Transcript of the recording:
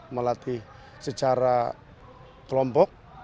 melatih secara kelompok